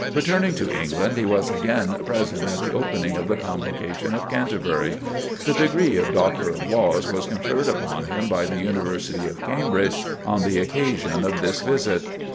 Returning to England he was again present at the opening of the Convocation of Canterbury. The degree of Doctor of Laws was conferred upon him by the University of Cambridge on the occasion of this visit.